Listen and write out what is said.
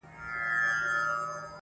• دا لکه ماسوم ته چي پېښې کوې.